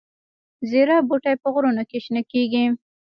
زیره بوټی په غرونو کې شنه کیږي؟